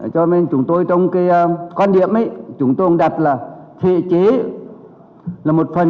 cho nên chúng tôi trong cái quan điểm ấy chúng tôi cũng đặt là thể chế là một phần